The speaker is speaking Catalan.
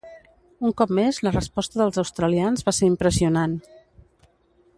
Un cop més, la resposta dels australians va ser impressionant.